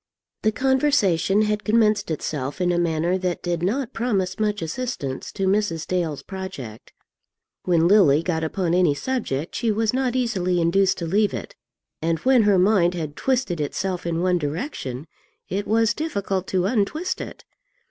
The conversation had commenced itself in a manner that did not promise much assistance to Mrs. Dale's project. When Lily got upon any subject, she was not easily induced to leave it, and when her mind had twisted itself in one direction, it was difficult to untwist it.